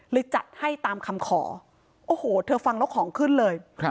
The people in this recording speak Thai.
จัดให้ตามคำขอโอ้โหเธอฟังแล้วของขึ้นเลย